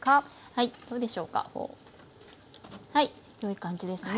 はいよい感じですね。